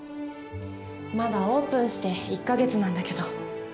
まだオープンして１か月なんだけど。